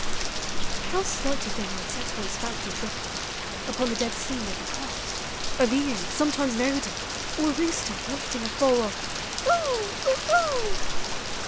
How slight a thing may set one's fancy drifting Upon the dead sea of the Past !— A view — Sometimes an odor— or a rooster lifting A far off "Voh! ooh ooh!"